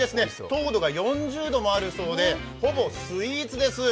糖度が４０度もあるそうで、ほぼスイーツです。